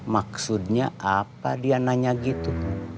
maksudnya apa dia nanya gitu